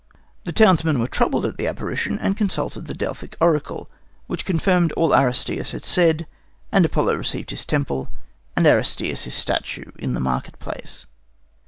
The townsmen were troubled at the apparition, and consulted the Delphic oracle, which confirmed all that Aristeas had said; and Apollo received his temple and Aristeas his statue in the market place.